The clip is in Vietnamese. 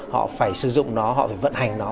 họ phải sử dụng nó họ phải vận hành nó